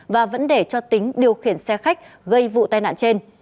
và vấn đề cho tính điều khiển xe khách gây vụ tai nạn trên